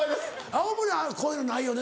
青森はこういうのないよね？